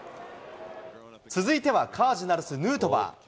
続いてはカージナルス、ヌートバー。